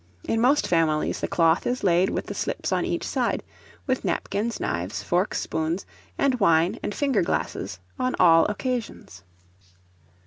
In most families the cloth is laid with the slips on each side, with napkins, knives, forks, spoons, and wine and finger glasses on all occasions.